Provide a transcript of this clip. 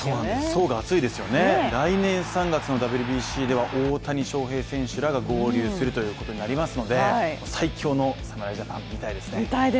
層が厚いですね、来年３月のＷＢＣでは大谷翔平選手らが合流するということになりますので最強の侍ジャパン、見たいですね。